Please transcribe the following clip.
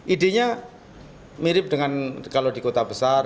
ide nya mirip dengan kalau di kota besar